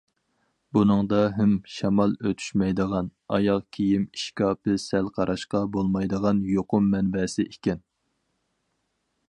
بۇنىڭدا ھىم، شامال ئۆتۈشمەيدىغان ئاياغ كىيىم ئىشكاپى سەل قاراشقا بولمايدىغان يۇقۇم مەنبەسى ئىكەن.